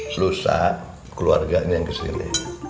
selusa keluarganya kesini